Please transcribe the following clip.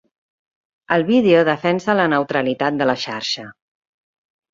El vídeo defensa la neutralitat de la xarxa.